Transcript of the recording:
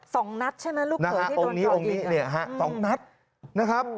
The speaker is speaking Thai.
ส่องนัทใช่ไหมลูกเขยที่โดนต่อกิจส่องนัทนะครับ